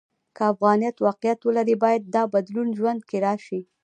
که افغانیت واقعیت ولري، باید دا بدلون د ژوند کې راشي.